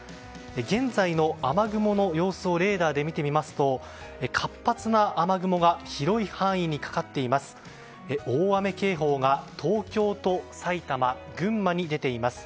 現在の雨雲の様子をレーダーで見てみますと活発な雨雲が広い範囲にかかっています。